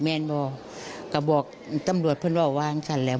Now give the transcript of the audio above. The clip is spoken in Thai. แม่นบอกก็บอกตำรวจเพื่อนว่าวางฉันแล้ว